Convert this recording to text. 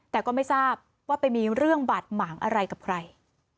แต่ก็ไม่ทราบว่าไปมีเรื่องบาดหมางอะไรกับใคร